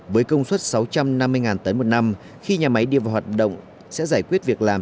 với công suất sáu trăm năm mươi tấn một năm khi nhà máy đi vào hoạt động sẽ giải quyết việc làm